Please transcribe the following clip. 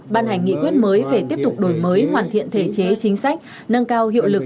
ban hành nghị quyết mới về tiếp tục đổi mới hoàn thiện thể chế chính sách nâng cao hiệu lực